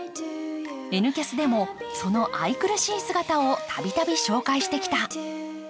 「Ｎキャス」でも、その愛くるしい姿を度々紹介してきた。